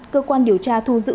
cơ quan điều tra thu giữ